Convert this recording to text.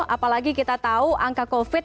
apalagi kita tahu angka covid sembilan belas